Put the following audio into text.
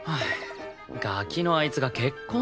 ガキのあいつが結婚？